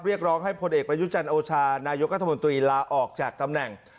เรียกร้องให้ผลเอกประยุจันทร์โอชานายกรัฐมนตรีลาออกจากตำแหน่ง